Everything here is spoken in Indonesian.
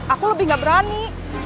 aku lebih gak berani